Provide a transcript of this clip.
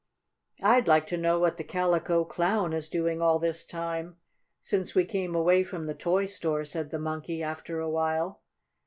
"I'd like to know what the Calico Clown is doing all this time, since we came away from the toy store," said the Monkey, after a while.